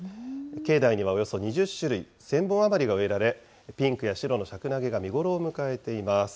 境内にはおよそ２０種類、１０００本余りが植えられ、ピンクや白のシャクナゲが見頃を迎えています。